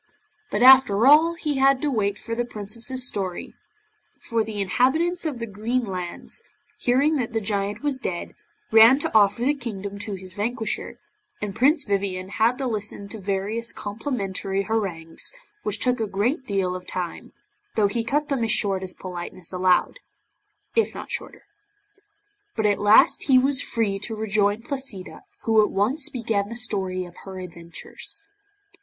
But after all he had to wait for the Princess's story, for the inhabitants of the Green Lands, hearing that the Giant was dead, ran to offer the kingdom to his vanquisher, and Prince Vivien had to listen to various complimentary harangues, which took a great deal of time, though he cut them as short as politeness allowed if not shorter. But at last he was free to rejoin Placida, who at once began the story of her adventures.